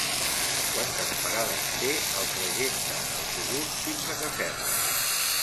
Quantes parades té el trajecte en autobús fins a Casserres?